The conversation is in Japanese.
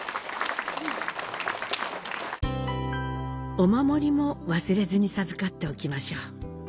お守りも忘れずに授かっておきましょう。